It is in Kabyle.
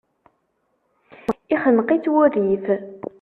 Yexneq-itt wurrif.